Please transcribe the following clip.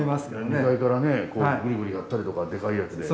２階からねこうグリグリやったりとかでかいやつで。